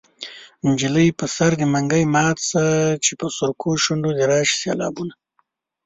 نجلۍ په سر دې منګی مات شه چې په سرکو شونډو دې راشي سېلابونه